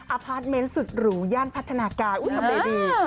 พาร์ทเมนต์สุดหรูย่านพัฒนากายทำอะไรดี